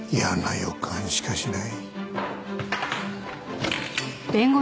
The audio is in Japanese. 予感しかしない。